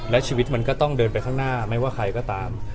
และชีวิตมันก็ต้องเดินไปข้างหน้าไม่ว่าใครก็ตาม